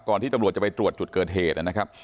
ที่ตำรวจจะไปตรวจจุดเกิดเหตุนะครับ